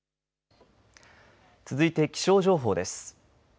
続いて気象情報です。